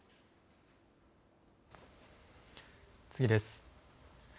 次です。